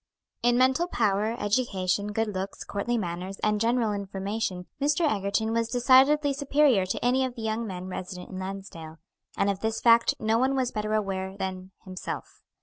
In mental power, education, good looks, courtly manners, and general information Mr. Egerton was decidedly superior to any of the young men resident in Lansdale; and of this fact no one was better aware than, himself.